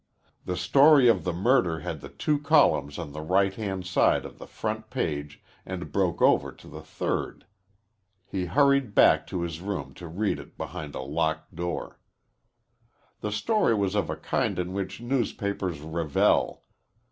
The story of the murder had the two columns on the right hand side of the front page and broke over to the third. He hurried back to his room to read it behind a locked door. The story was of a kind in which newspapers revel.